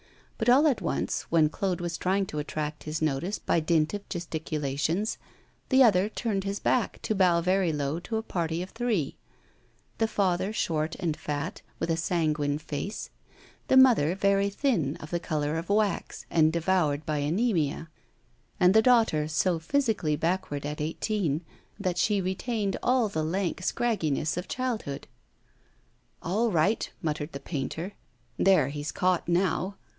But all at once, when Claude was trying to attract his notice by dint of gesticulations, the other turned his back to bow very low to a party of three the father short and fat, with a sanguine face; the mother very thin, of the colour of wax, and devoured by anemia; and the daughter so physically backward at eighteen, that she retained all the lank scragginess of childhood. 'All right!' muttered the painter. 'There he's caught now.